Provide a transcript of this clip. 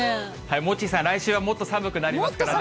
モッチーさん、来週はもっと寒くなりますからね。